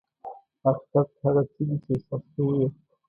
حقیقت هغه څه دي چې احساس کوو یې.